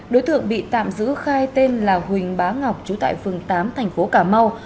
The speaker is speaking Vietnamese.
đối tượng bị tạm giữ khai tên là huỳnh bá ngọc chú tại phường tám thành phố cà mau